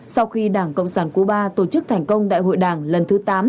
sau khi đảng cộng sản cuba tổ chức thành công đại hội đảng lần thứ tám